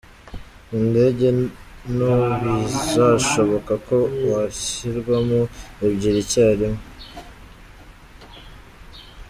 Ku ndege nto bizashoboka ko hashyirwamo ebyiri icyarimwe.